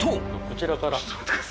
こちらから。